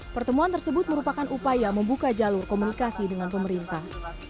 pertemuan tersebut merupakan upaya membuka jalur komunikasi dengan pemerintah